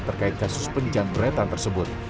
terkait kasus penjamretan tersebut